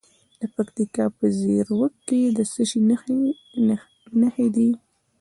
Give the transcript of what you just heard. د پکتیکا په زیروک کې د څه شي نښې دي؟